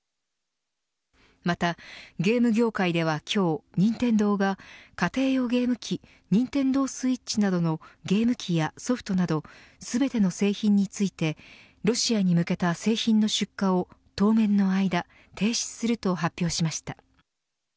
また、ゲーム業界では今日任天堂が家庭用ゲーム機ニンテンドースイッチなどのゲーム機やソフトなど全ての製品についてロシアに向けた製品の出荷を当面の間停止すると発表しました。